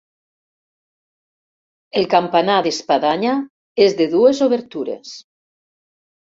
El campanar d'espadanya és de dues obertures.